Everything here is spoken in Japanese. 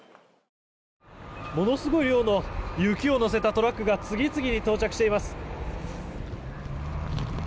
ものすごい量の雪を載せたトラックが次々に到着しています。